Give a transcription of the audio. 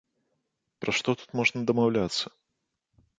Пра што тут можна дамаўляцца?